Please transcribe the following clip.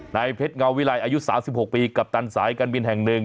นายเพชรเงาวิลัยอายุ๓๖ปีกัปตันสายการบินแห่งหนึ่ง